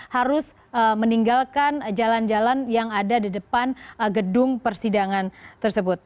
harus meninggalkan jalan jalan yang ada di depan gedung persidangan tersebut